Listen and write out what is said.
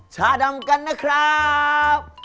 ชาดำกันนะครับ